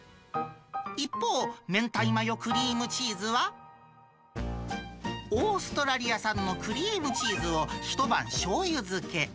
一方、明太マヨクリームチーズは、オーストラリア産のクリームチーズを一晩しょうゆ漬け。